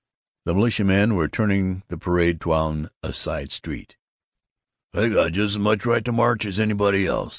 The militiamen were turning the parade down a side street. "They got just as much right to march as anybody else!